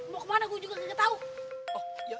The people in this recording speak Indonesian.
mau kemana gue juga gak tahu